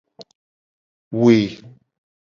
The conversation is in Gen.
We.